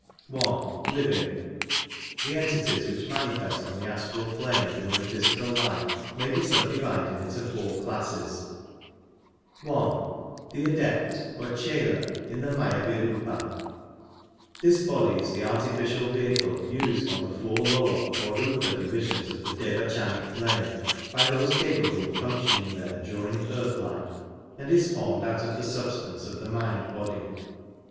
I. Living. The entities which manifest on the astral plane during physical life may be subdivided into four classes :— I. The Adept or Chela in the Mayavirupa. This body is the artificial vehicle used on the four lower or rfipa divisions of the devachanic plane by those capable of func tioning there during earth life, and is formed out of the substance of the mind body.